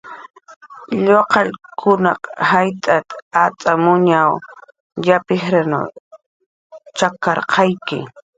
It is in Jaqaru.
"Lluqallunkunaq jaytat acxamuñkun yap jijran t""ajarqayki. "